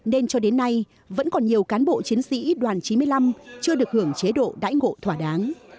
nên cho đến nay vẫn còn nhiều cán bộ chiến sĩ đoàn chín mươi năm chưa được hưởng chế độ đãi ngộ thỏa đáng